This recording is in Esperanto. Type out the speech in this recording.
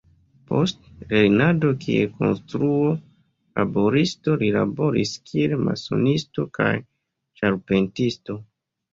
Post lernado kiel konstruo-laboristo, li laboris kiel masonisto kaj ĉarpentisto.